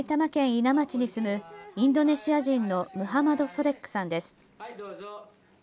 伊奈町に住むインドネシア人のムハマド・ソレックさんです。